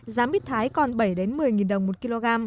giá mít thái còn bảy một mươi đồng một kg